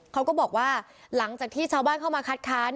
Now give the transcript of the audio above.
เขาก็บอกว่าหลังจากที่ชาวบ้านเข้ามาคัดค้าน